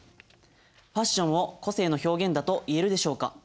「ファッションを個性の表現だといえるでしょうか。